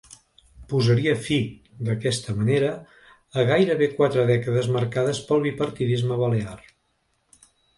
Posaria fi, d’aquesta manera, a gairebé quatre dècades marcades pel bipartidisme balear.